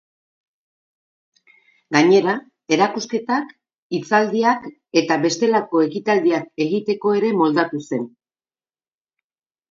Gainera, erakusketak, hitzaldiak eta bestelako ekitaldiak egiteko ere moldatu zen.